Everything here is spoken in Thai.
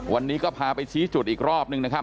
วันนี้ก็พาไปชี้จุดอีกรอบนึงนะครับ